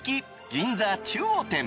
銀座中央店。